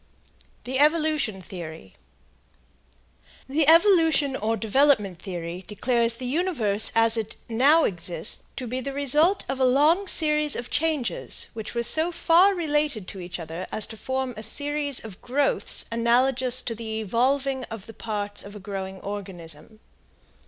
THE EVOLUTION THEORY. The evolution or development theory declares the universe as it now exists to be the result of a long series of changes which were so far related to each other as to form a series of growths analogous to the evolving of the parts of a growing organism.